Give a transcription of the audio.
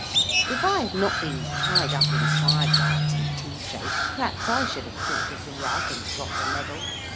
If I had not been tied up in fire guards and tea trays perhaps I should have thought of the rug and got the medal.